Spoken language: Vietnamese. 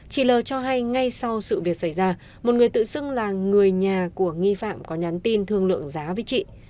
chị l cho hay ngay sau sự việc xảy ra một người tự xưng là người nhà của nghi phạm có nhắn tin thương lượng giá với chị